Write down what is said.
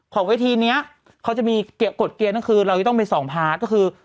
ของเวทีนี้เขาจะมีกฎเกียรตินั่นคือเราจะต้องไป๒พาร์ทก็คือ